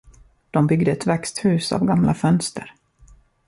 De byggde ett växthus av gamla fönster.